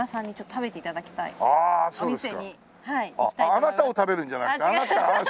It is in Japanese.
あなたを食べるんじゃなくて？違います。